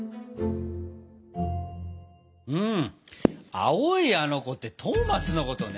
青いあの子ってトーマスのことね。